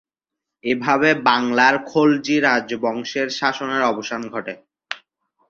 এভাবে বাংলার খলজি রাজবংশের শাসনের অবসান ঘটে।